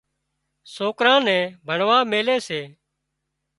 سوڪران نين ڀڻوا ميلي سي